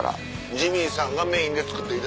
ジミーさんがメインで作っていただいた。